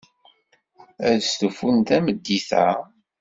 Ad stufun tameddit-a?